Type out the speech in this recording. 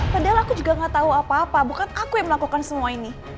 padahal aku juga gak tahu apa apa bukan aku yang melakukan semua ini